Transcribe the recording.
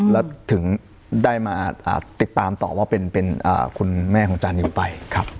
แล้วถึงได้มาติดตามต่อว่าเป็นคุณแม่ของจานิวไป